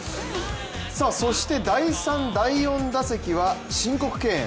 そして第３第４打席は申告敬遠。